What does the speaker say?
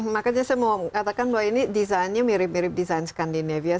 makanya saya mau katakan bahwa ini desainnya mirip mirip desain skandinavia